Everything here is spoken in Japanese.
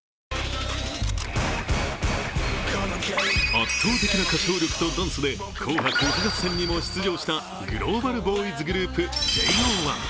圧倒的な歌唱力とダンスで、「紅白歌合戦」にも出場したグローバルボーイズグループ、ＪＯ１。